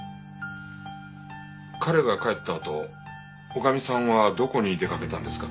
彼が帰ったあと女将さんはどこに出かけたんですか？